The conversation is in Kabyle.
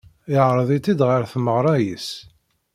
Yeɛreḍ-itt-id ɣer tmeɣra-is.